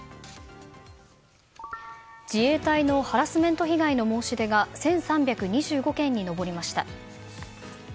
自衛隊のハラスメント被害の申し出が１３２５件に上りました。